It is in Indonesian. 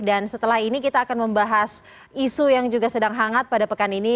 dan setelah ini kita akan membahas isu yang juga sedang hangat pada pekan ini